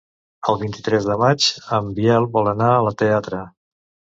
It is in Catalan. El vint-i-tres de maig en Biel vol anar al teatre.